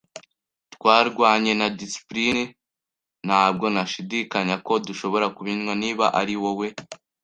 twarwanye na disipulini. Ntabwo nashidikanya ko dushobora kubinywa, niba ari wowe